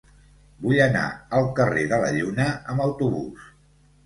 Vull anar al carrer de la Lluna amb autobús.